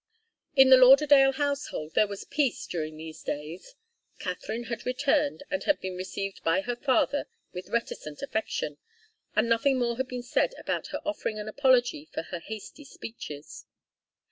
In the Lauderdale household there was peace during these days. Katharine had returned, and had been received by her father with reticent affection, and nothing more had been said about her offering an apology for her hasty speeches.